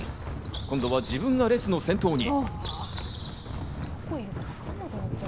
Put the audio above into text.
今度は自分が列の先頭に。